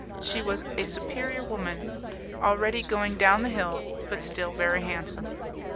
She was a superior woman, already going down the hill, but still very handsome.